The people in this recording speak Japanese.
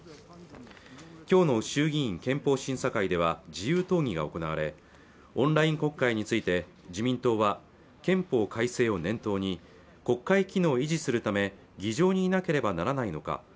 きょうの衆議院憲法審査会では自由討議が行われオンライン国会について自民党は憲法改正を念頭に国会機能を維持するため議場にいなければならないのか